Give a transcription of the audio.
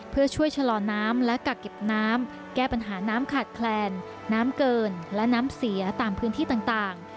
เพื่อช่วยชะลอน้ำและกักเก็บน้ำแก้ปัญหาน้ำขาดแคลนน้ำเกินและน้ำเสียตามพื้นที่ต่าง